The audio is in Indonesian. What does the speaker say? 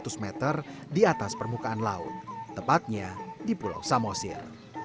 danau sidi honi terletak di atas permukaan laut tepatnya di pulau samosir